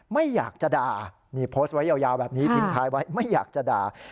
ไม่อยากจะด่านี่โพสต์ไว้ยาวแบบนี้ทิ้งท้ายไว้ไม่อยากจะด่า